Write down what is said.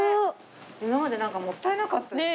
今までなんかもったいなかったね。